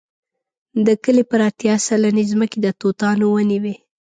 د کلي پر اتیا سلنې ځمکې د توتانو ونې وې.